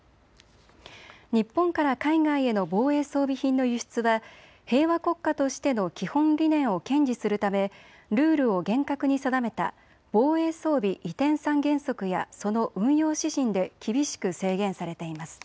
日本から海外への防衛装備品の輸出は平和国家としての基本理念を堅持するためルールを厳格に定めた防衛装備移転三原則やその運用指針で厳しく制限されています。